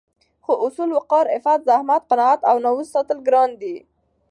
خو اصول، وقار، عفت، زحمت، قناعت او ناموس ساتل ګران دي